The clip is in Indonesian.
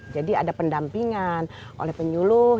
jadi ada pendampingan oleh penyuluh